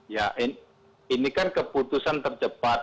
ya ini kan keputusan tercepat